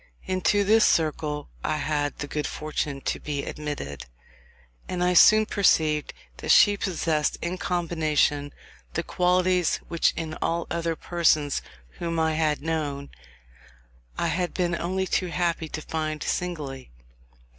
Into this circle I had the good fortune to be admitted, and I soon perceived that she possessed in combination, the qualities which in all other persons whom I had known I had been only too happy to find singly.